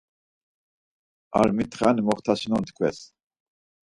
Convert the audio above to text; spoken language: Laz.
Armitxani moxtasinon tkves.